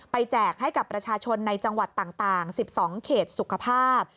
แจกให้กับประชาชนในจังหวัดต่าง๑๒เขตสุขภาพ